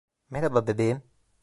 Merhaba bebeğim.